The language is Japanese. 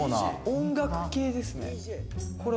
音楽系ですね。